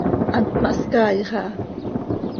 Hant ma hscaaix aha.